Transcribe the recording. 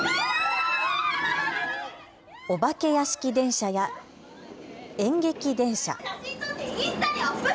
お化け屋敷電車や演劇電車。